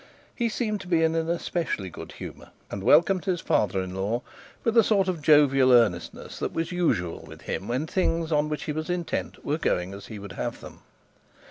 He seemed to be in an especial good humour, and welcomed his father in law with a sort of jovial earnestness that was usual with him when things on which was intent were going on as he would have them.